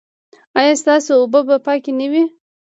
ایا ستاسو اوبه به پاکې نه وي؟